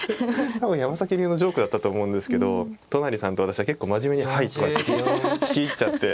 多分山崎流のジョークだったと思うんですけど都成さんと私は結構真面目に「はい」とかって聞き入っちゃって。